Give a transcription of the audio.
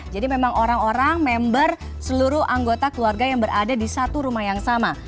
jadi memang orang orang member seluruh anggota keluarga yang berada di satu rumah yang sama